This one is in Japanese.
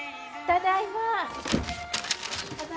・ただいま。